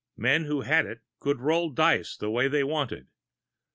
Men who had it could make dice roll the way they wanted.